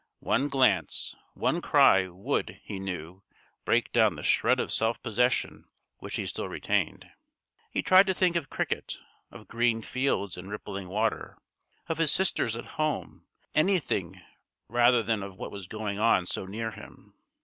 One glance, one cry, would, he knew, break down the shred of self possession which he still retained. He tried to think of cricket, of green fields and rippling water, of his sisters at home of anything rather than of what was going on so near him.